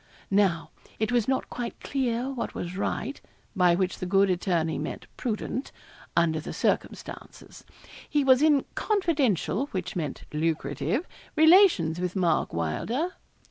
Now, it was not quite clear what was right by which the good attorney meant prudent under the circumstances. He was in confidential which meant lucrative relations with Mark Wylder.